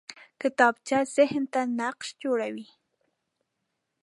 کتابچه ذهن ته نقش جوړوي